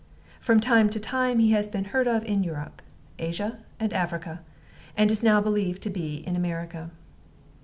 From time to time he has been heard of in Europe, Asia, and Africa, and is now believed to be in America.